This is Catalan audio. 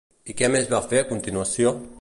I què més van fer a continuació?